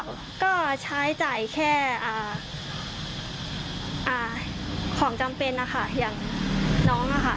ก็ใช้จ่ายแค่ของจำเป็นค่ะอย่างน้องค่ะ